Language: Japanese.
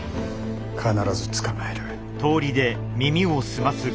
必ず捕まえる。